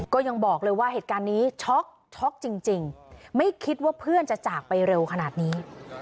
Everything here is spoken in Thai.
ก็ยังบอกเลยว่าเหตุการณ์นี้ช็อกช็อกจริงไม่คิดว่าเพื่อนจะจากไปเร็วขนาดนี้